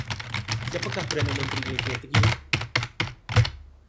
Siapakah Perdana Menteri Malaysia yang terkini?